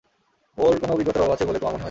ওর কোন অভিজ্ঞতার অভাব আছে বলে তোমার মনে হয়?